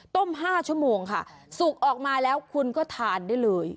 ต้ม๕ชั่วโมงค่ะสุกออกมาแล้วคุณก็ทานได้เลย